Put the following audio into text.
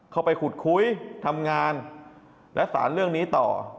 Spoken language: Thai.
เข้าไปขุดคุยทำงานและสารเรื่องนี้ต่อ